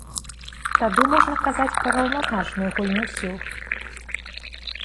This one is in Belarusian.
Тады можна казаць пра раўназначную гульню сіл.